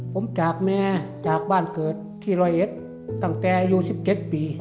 ผมจากแม่จากบ้านเกิดที่ร้อยเอ็ดตั้งแต่อายุ๑๗ปี